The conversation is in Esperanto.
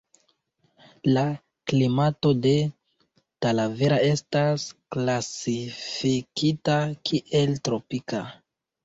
La klimato de Talavera estas klasifikita kiel tropika.